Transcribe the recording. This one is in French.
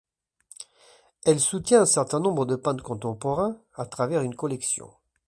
Elle soutient un certain nombre de peintres contemporains à travers une collection.